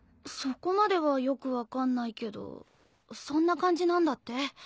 そこまではよく分かんないけどそんな感じなんだって。